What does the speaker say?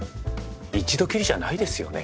一度きりじゃないですよね？